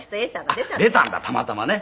「あっ出たんだたまたまね」